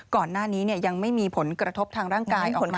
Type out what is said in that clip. ก่อนหน้านี้ยังไม่มีผลกระทบทางร่างกายออกมา